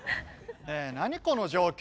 ねえ何この状況？